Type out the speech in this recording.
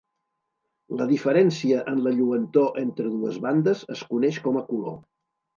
La diferència en la lluentor entre dues bandes es coneix com a color.